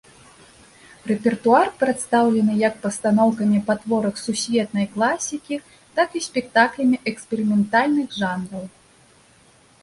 Рэпертуар прадстаўлены як пастаноўкамі па творах сусветнай класікі, так і спектаклямі эксперыментальных жанраў.